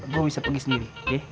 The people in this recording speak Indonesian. gua bisa pergi sendiri